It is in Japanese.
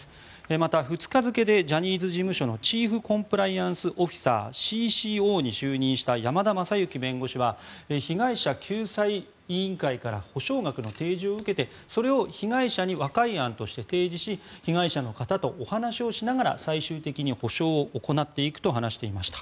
また、２日付でジャニーズ事務所のチーフコンプライアンスオフィサー・ＣＣＯに就任した山田将之弁護士は被害者救済委員会から補償額の提示を受けてそれを被害者に和解案として提示し被害者の方とお話をしながら最終的に補償を行っていくと話していました。